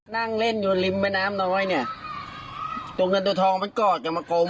นั่งเล่นอยู่ริมแม่น้ำน้อยเนี่ยตัวเงินตัวทองมันกอดกันมากลม